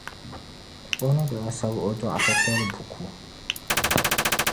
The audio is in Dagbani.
O ni daa sabi O Dɔɣita tali buku.